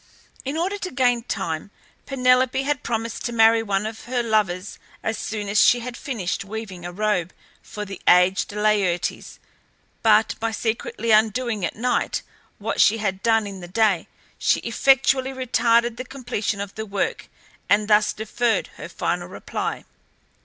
In order to gain time Penelope had promised to marry one of her lovers as soon as she had finished weaving a robe for the aged Laertes; but by secretly undoing at night what she had done in the day she effectually retarded the completion of the work, and thus deferred her final reply.